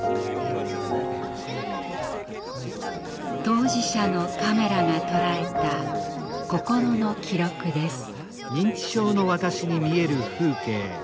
当事者のカメラが捉えた心の記録です。